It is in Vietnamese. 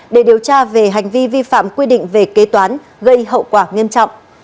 để điều tra về hành vi vi phạm quy định về kế toán gây hậu quả nghiêm trọng